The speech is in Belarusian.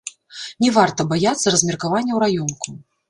Не варта баяцца размеркавання ў раёнку.